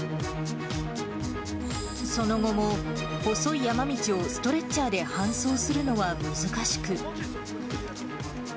その後も細い山道をストレッチャーで搬送するのは難しく。